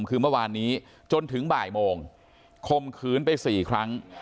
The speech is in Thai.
คือเมื่อวานนี้จนถึงบ่ายโมงคมขืนไป๔ครั้ง